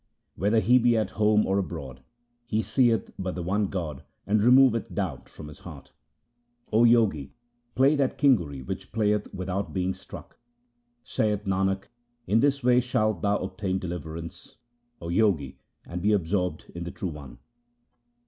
Whether he be at home or abroad, he seeth but the one God, and removeth doubt from his heart. 0 Jogi, play that kinguri which playeth without being struck. 1 Saith Nanak, in this way shalt thou obtain deliverance, O Jogi, and be absorbed in the True One.